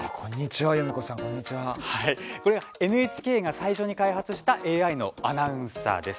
これはＮＨＫが最初に開発したＡＩアナウンサーです。